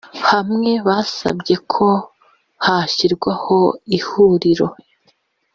hamwe basabye ko hashyirwaho ihuriro